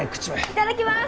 いただきます